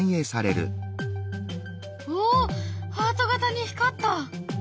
おっハート形に光った！